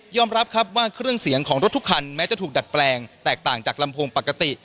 รับครับว่าเครื่องเสียงของรถทุกคันแม้จะถูกดัดแปลงแตกต่างจากลำโพงปกติ